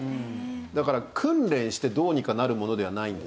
だから訓練してどうにかなるものではないんです。